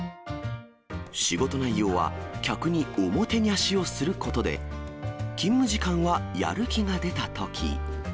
仕事内容は客におもてにゃしをすることで、勤務時間はやる気が出たとき。